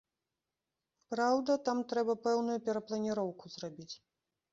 Праўда, там трэба пэўную перапланіроўку зрабіць.